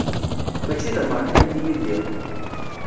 Mačči d ameṛkanti i lliɣ.